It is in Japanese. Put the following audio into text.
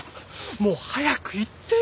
もう早く言ってよ！